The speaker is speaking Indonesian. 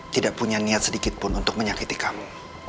tidak punya niat sedikit pun untuk menyakiti kamu